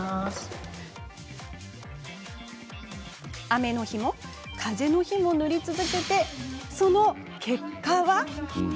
雨の日も風の日も塗り続けてその結果は？